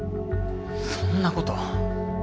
そんなこと。